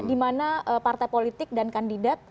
di mana partai politik dan kandidat